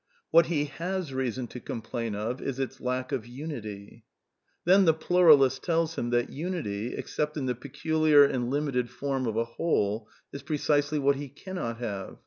What he has reason to complain of is its lack ot^iaaityr" Then the pluralist tells him that unity, except in the peculiar and limited form of a Whole, is precisely what he cannot have.